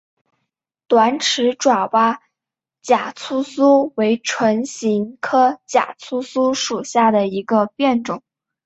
短齿爪哇假糙苏为唇形科假糙苏属下的一个变种。